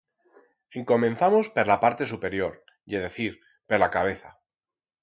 Encomenzamos per la parte superior, ye decir, per la cabeza.